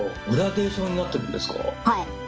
はい。